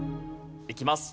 いきます。